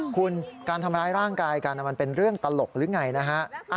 คุณการทำร้ายร่างกายกันมันเป็นเรื่องตลกหรือไงนะฮะ